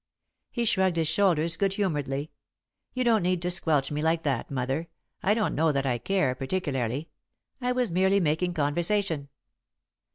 He shrugged his shoulders good humouredly. "You don't need to squelch me like that, Mother. I don't know that I care, particularly. I was merely making conversation."